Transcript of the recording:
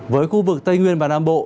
với khu vực tây nguyên và nam bộ